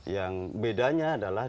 yang bedanya adalah